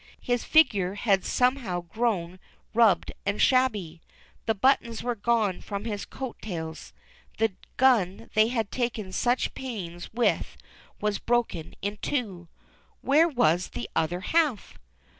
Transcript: His figure had somehow grown rubbed and shabby. The buttons ^vere gone from his coat tails. The gun they had taken such pains with was broken in two. Where was the other half?